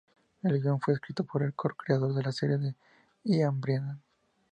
El guion fue escrito por el co-creador de la serie Ian Brennan.